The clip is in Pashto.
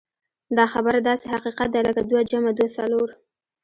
دا خبره داسې حقيقت دی لکه دوه جمع دوه څلور.